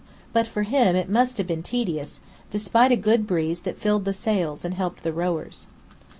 But for him it must have been tedious, despite a good breeze that filled the sails and helped the rowers.